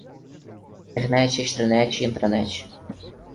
Internet, extranet e intranet